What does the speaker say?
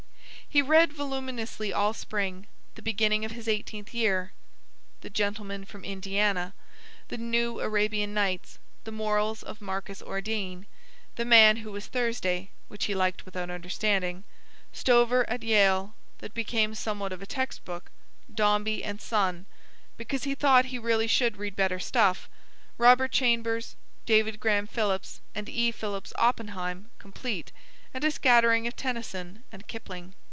He read voluminously all spring, the beginning of his eighteenth year: "The Gentleman from Indiana," "The New Arabian Nights," "The Morals of Marcus Ordeyne," "The Man Who Was Thursday," which he liked without understanding; "Stover at Yale," that became somewhat of a text book; "Dombey and Son," because he thought he really should read better stuff; Robert Chambers, David Graham Phillips, and E. Phillips Oppenheim complete, and a scattering of Tennyson and Kipling.